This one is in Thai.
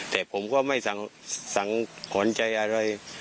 แต่ผมก็ไม่สังขวัญใจอะไร